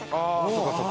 そうかそうか。